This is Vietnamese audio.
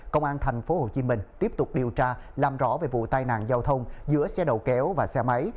công an thành phố hồ chí minh tiếp tục điều tra làm rõ về vụ tai nạn giao thông giữa xe đầu kéo và xe máy